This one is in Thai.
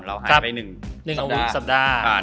หายไป๑สัปดาห์